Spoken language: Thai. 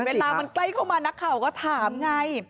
เวลามันใกล้เข้ามานักข่าวก็ถามไง